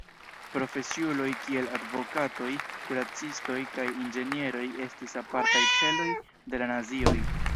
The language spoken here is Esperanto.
Profesiuloj kiel advokatoj, kuracistoj kaj inĝenieroj estis apartaj celoj de la nazioj.